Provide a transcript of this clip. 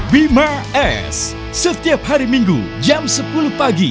bima s setiap hari minggu jam sepuluh pagi